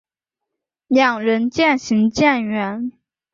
两人渐行渐远